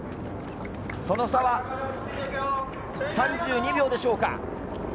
その差は３２秒でしょうか。